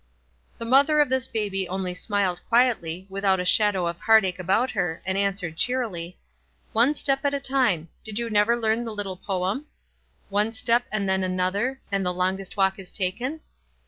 The mother of this baby only smiled quietly, without a shadow of heartache about her, and answered, cheerily, — "One step at a time. Did you never learn the little poem, —"' One step and then another, And the longest walk is taken